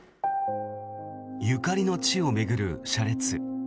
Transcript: ゆかりの地を巡る車列。